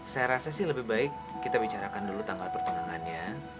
saya rasa sih lebih baik kita bicarakan dulu tanggal pertengahannya